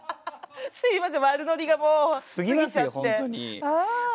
すいません悪ノリがもう過ぎちゃって。